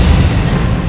aku mau makan